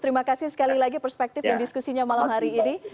terima kasih sekali lagi perspektif dan diskusinya malam hari ini